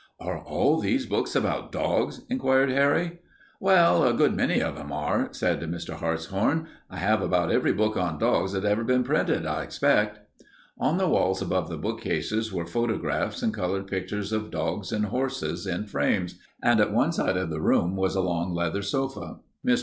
"Are all these books about dogs?" inquired Harry. "Well, a good many of them are," said Mr. Hartshorn. "I have about every book on dogs that has been printed, I expect." On the walls above the bookcases were photographs and colored pictures of dogs and horses in frames, and at one side of the room was a long leather sofa. Mr.